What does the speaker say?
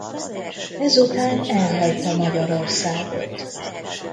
Ezután elhagyta Magyarországot.